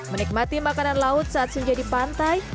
menikmati makanan laut saat senja di pantai